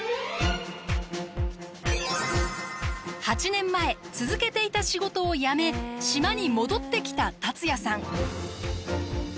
８年前続けていた仕事をやめ島に戻ってきた達也さん。